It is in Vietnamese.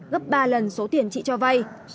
gấp ba lần số tiền chị cho vay